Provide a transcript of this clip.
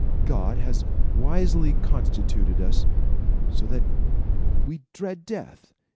God has wisely constituted us so that we dread death.